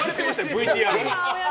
ＶＴＲで。